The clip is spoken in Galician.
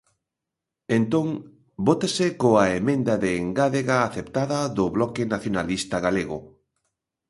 Entón, vótase coa emenda de engádega aceptada do Bloque Nacionalista Galego.